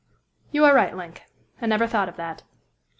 "You are right, Link. I never thought of that."